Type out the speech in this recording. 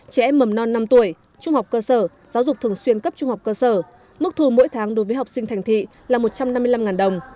trẻ em mầm non năm tuổi trung học cơ sở giáo dục thường xuyên cấp trung học cơ sở mức thu mỗi tháng đối với học sinh thành thị là một trăm năm mươi năm đồng